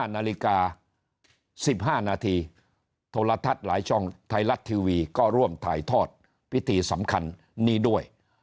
นาฬิกา๑๕นาทีโทรทัศน์หลายช่องไทยรัฐทีวีก็ร่วมถ่ายทอดพิธีสำคัญนี้ด้วย